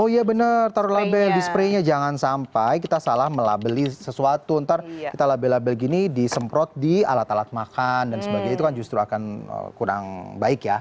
oh iya benar taruh label dispray nya jangan sampai kita salah melabeli sesuatu ntar kita label label gini disemprot di alat alat makan dan sebagainya itu kan justru akan kurang baik ya